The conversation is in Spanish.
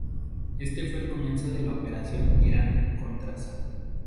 Este fue el comienzo de la operación Irán-contras.